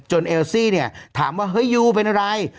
เอลซี่เนี่ยถามว่าเฮ้ยยูเป็นอะไร